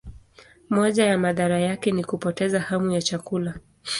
Moja ya madhara yake ni kupoteza hamu ya chakula.